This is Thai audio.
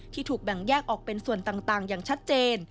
ถูกแบ่งแยกออกเป็นส่วนต่างอย่างชัดเจน